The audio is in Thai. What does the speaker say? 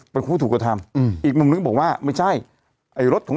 เป็นผู้ถูกกระทำอืมอีกมุมนึงบอกว่าไม่ใช่ไอ้รถของ